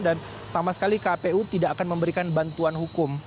dan sama sekali kpu tidak akan memberikan bantuan hukum